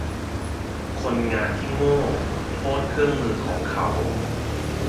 คนงานที่โง่โทษเครื่องมือของเขา